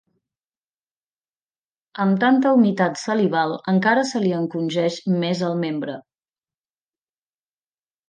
Amb tanta humitat salival, encara se li encongeix més el membre.